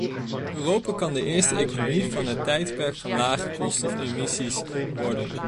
Europa kan de eerste economie van het tijdperk van lage koolstofemissies worden.